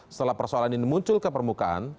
setelah persoalan ini muncul ke permukaan